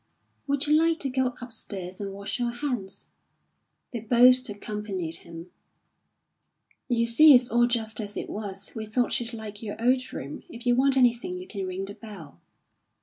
"Would you like to go upstairs and wash your hands?" They both accompanied him. "You see it's all just as it was. We thought you'd like your old room. If you want anything you can ring the bell."